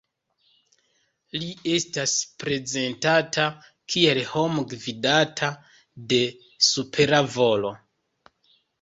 Li estas prezentata kiel homo gvidata de supera volo.